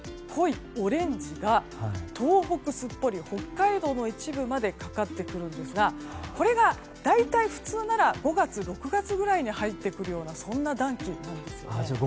濃いオレンジが東北すっぽり北海道の一部までかかってくるんですがこれが大体普通なら５月、６月に入ってくるようなそんな暖気なんですね。